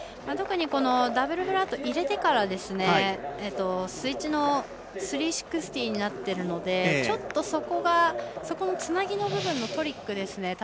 特にダブルフラット入れてからスイッチの３６０になっているのでちょっと、そこのつなぎの部分のトリックですね。